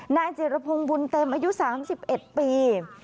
นายจิรพงศ์บุญเต็มอายุ๓๑ปี